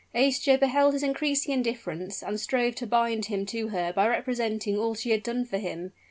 Aischa beheld his increasing indifference, and strove to bind him to her by representing all she had done for him.